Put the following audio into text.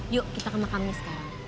yuk kita ke makamnya sekarang